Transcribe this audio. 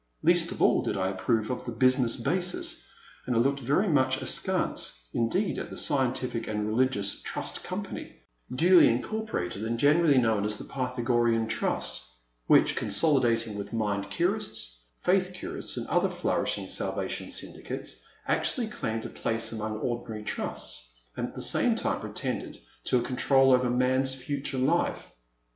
Least of all did I approve of the business basis," and I looked very much askance indeed at the Scientific and Religious Trust Company," didy incorporated and gener ally known as the Pythagorean Trust, which, consolidating with Mind Curists, Faith Curists, and other flourishing Salvation Syndicates, actu ally claimed a place among ordinary Trusts, and at the same time pretended to a control over man's future life.